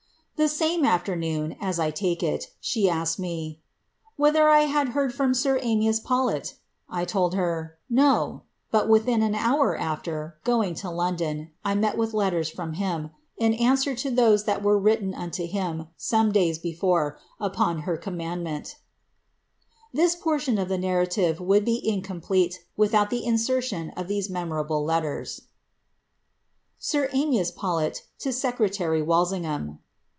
Hie same afternoon, (as 1 take it,) she asked me, ^ Whether I had i from sir Amies Paulet ?' I told her, ' No ;^ but within an hour » going to London, I met with letters from him, in answer to those were written unto him, some days before, upon her command L« bis portion of the narrative would be incomplete without the inser of these memorable letters :— Sir Amias Paulet to Sccreta&t Walsinohax.